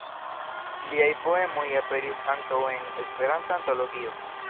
Liaj poemoj aperis ankaŭ en "Esperanta Antologio".